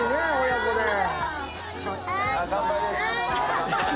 乾杯です。